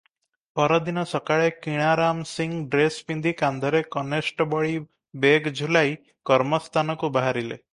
ପରଦିନ ସକାଳେ କିଣାରାମ ସିଂ ଡ୍ରେସ ପିନ୍ଧି କାନ୍ଧରେ କନେଷ୍ଟବଳି ବେଗ୍ ଝୁଲାଇ କର୍ମସ୍ଥାନକୁ ବାହାରିଲେ ।